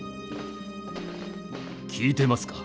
聞いてますか？